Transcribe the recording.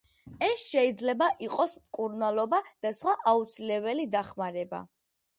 ეს შეიძლება იყოს მკურნალობა და სხვა აუცილებელი დახმარება.